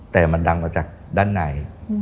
แต่มันดังมาจากด้านใน